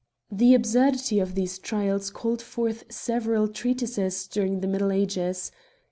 The absurdity of these trials called forth several treatises during the middle ages.